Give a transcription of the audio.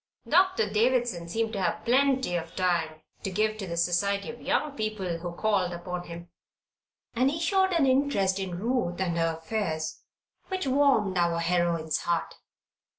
Doctor Davison seemed to have plenty of time to give to the society of young folk who called upon him. And he showed an interest in Ruth and her affairs which warmed our heroine's heart.